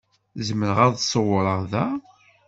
Zemreɣ ad ṣewwreɣ da?